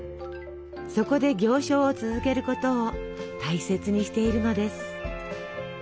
そこで行商を続けることを大切にしているのです。